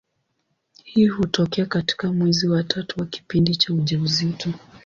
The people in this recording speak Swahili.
Hii hutokea katika mwezi wa tatu wa kipindi cha ujauzito.